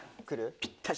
ぴったし！